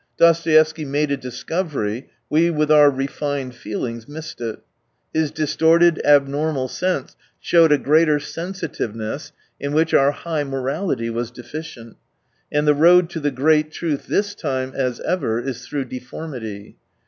Dostoevsky made a dis covery, we with our refined feelings missed it. His distorted, abnormal sense showed a greater sensitiveness, in which our high morality was deficient. ... And the road to the great truth this time, as ever, is through deformity.